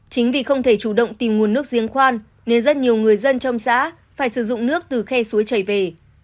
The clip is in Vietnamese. chính vì không thể chủ động tìm nguồn nước giếng khoan nên rất nhiều người dân trong xã phải sử dụng nước từ khe suối chảy về